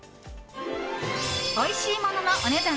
おいしいもののお値段